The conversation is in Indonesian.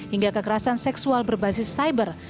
hingga kekerasan seksual berbasis cyber